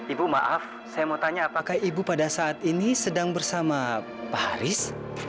ibu maaf saya mau tanya apakah ibu pada saat ini sedang bersama pak haris